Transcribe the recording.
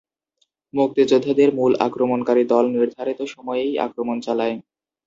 মুক্তিযোদ্ধাদের মূল আক্রমণকারী দল নির্ধারিত সময়েই আক্রমণ চালায়।